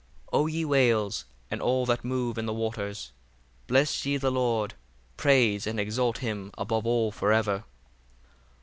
57 O ye whales, and all that move in the waters, bless ye the Lord: praise and exalt him above all for ever.